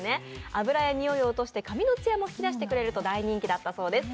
脂や臭いを落として髪のツヤも出してくれるということで人気だったそうです。